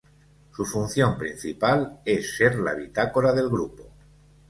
Su función principal es ser la bitácora del grupo.